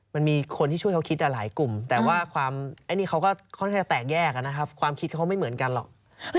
มันมีคนที่ช่วยเขาคิดเองหลายกลุ่มแต่ว่านะเนี่ยเขาก็ควรให้แรกแยกอะนะครับความคิดเอาไม่เหมือนกันหรอก